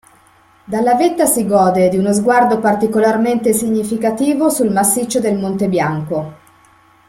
Dalla vetta si gode di uno sguardo particolarmente significativo sul massiccio del Monte Bianco.